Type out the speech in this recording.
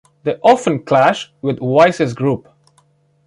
They often clash with Vise's group.